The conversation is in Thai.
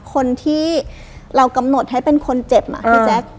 คนที่เรากำหนดให้เป็นคนเจ็บอะพี่แจ๊ค